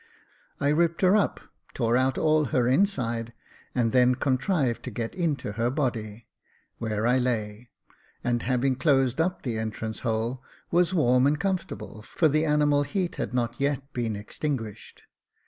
I ripped her up, tore out all her inside, and then contrived to get into her body, where I lay, and, having closed up the entrance hole, was warm and comfortable, for the animal heat had not yet been extinguished.